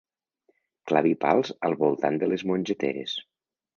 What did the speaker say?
Clavi pals al voltant de les mongeteres.